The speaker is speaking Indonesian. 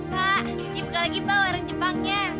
pak dibuka lagi pak orang jepangnya